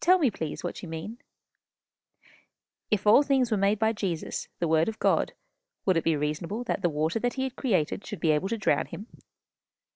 "Tell me, please, what you mean." "If all things were made by Jesus, the Word of God, would it be reasonable that the water that he had created should be able to drown him?"